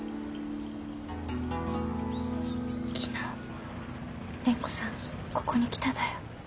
昨日蓮子さんここに来ただよ。